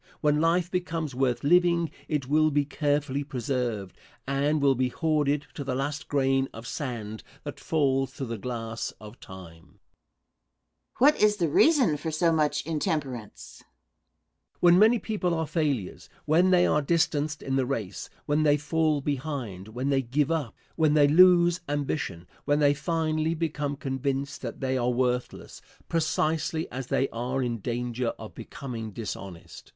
When life becomes worth living it will be carefully preserved and will be hoarded to the last grain of sand that falls through the glass of time. Question. What is the reason for so much intemperance? Answer. When many people are failures, when they are distanced in the race, when they fall behind, when they give up, when they lose ambition, when they finally become convinced that they are worthless, precisely as they are in danger of becoming dishonest.